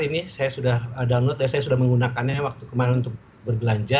ini saya sudah download saya sudah menggunakannya waktu kemarin untuk berbelanja